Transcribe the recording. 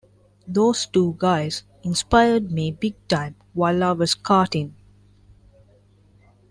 Those two guys inspired me big time while I was karting.